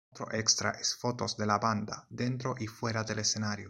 Otro extra es fotos de la banda, dentro y fuera del escenario.